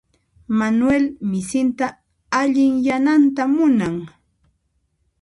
Manuel misinta allinyananta munan.